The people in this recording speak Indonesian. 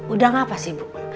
udah ngapa sih bu